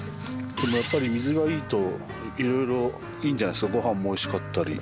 でもやっぱり水がいいといろいろいいんじゃないですかごはんもおいしかったり。